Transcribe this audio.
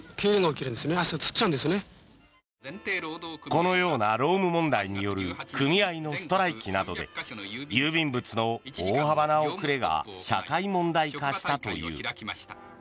このような労務問題による組合のストライキなどで郵便物の大幅な遅れが社会問題化したという。